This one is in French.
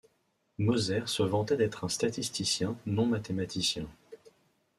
Moser se vantait d'être un statisticien non mathématicien.